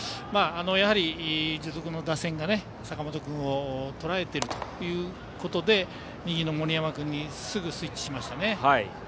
やはり樹徳の打線が坂本君をとらえているということで右の森山君にすぐにスイッチしましたね。